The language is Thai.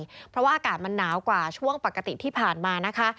เพราะว่าอากาศมันหนาวกว่าช่วงปกติที่ผ่านมานะคะ